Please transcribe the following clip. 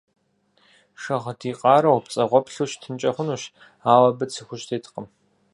Шагъдий къарэу, пцӀэгъуэплъу щытынкӏэ хъунущ, ауэ абы цы хужь теткъым.